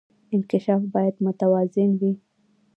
انکشاف باید متوازن وي